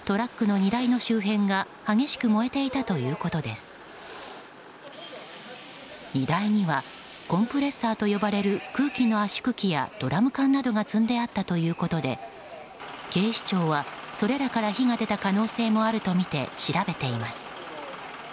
荷台にはコンプレッサーと呼ばれる空気の圧縮機やドラム缶などが積んであったということで警視庁はそれらから火が出た可能性もあるとみて調べています。